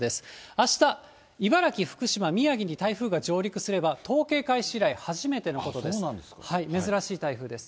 あした、茨城、福島、宮城に台風が上陸すれば、統計開始以来、初めてのことです。